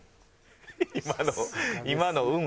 今の。